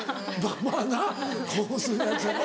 まぁなこうするやつやろ。